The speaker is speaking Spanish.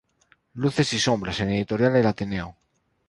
Luces y Sombras", en editorial El Ateneo.